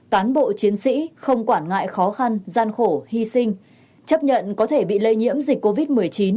cán bộ chiến sĩ không quản ngại khó khăn gian khổ hy sinh chấp nhận có thể bị lây nhiễm dịch covid một mươi chín